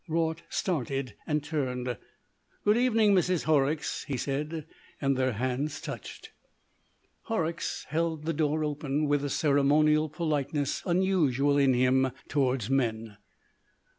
Raut started and turned. "Good evening, Mrs. Horrocks," he said, and their hands touched. Horrocks held the door open with a ceremonial politeness unusual in him towards men.